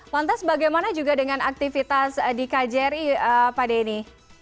lantas bagaimana juga dengan aktivitas di kjri pak denny